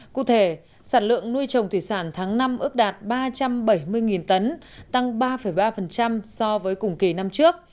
cụ thể sản lượng nuôi trồng thủy sản tháng năm ước đạt ba trăm bảy mươi tấn tăng ba ba so với cùng kỳ năm trước